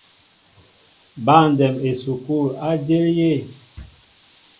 Băndɛm esukul a jȇl yé?